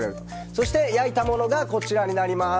そして焼いたものがこちらになります！